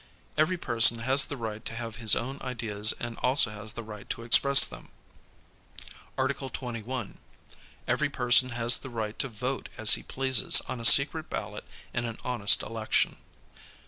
Every person has the right to ha\(' his own ideas and also has the right to express them. Article 21. Every person has tiie right to vote as he pleases on a secret ballot in an honest election.